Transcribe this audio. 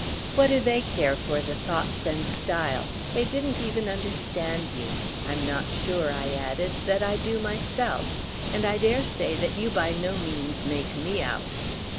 "What do they care for the thoughts and style? They didn't even understand you. I'm not sure," I added, "that I do myself, and I dare say that you by no means make me out."